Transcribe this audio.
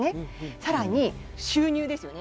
さらに収入ですよね。